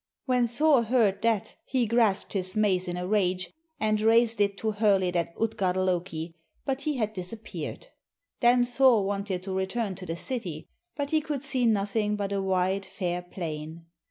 When Thor heard that he grasped his mace in a rage, and raised it to hurl it at Utgard Loki, but he had disappeared. Then Thor wanted to return to the city, but he could see nothing but a wide fair plain.